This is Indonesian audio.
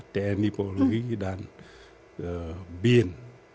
tni polri dan bin